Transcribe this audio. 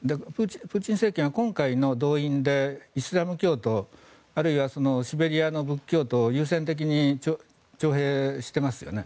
プーチン政権は今回の動員でイスラム教徒あるいは、シベリアの仏教徒を優先的に徴兵してますよね。